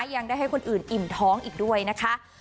ยังได้ให้คนอื่นอิ่มท้องอีกด้วยนะคะ